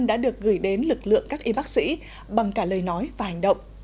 đã được gửi đến lực lượng các y bác sĩ bằng cả lời nói và hành động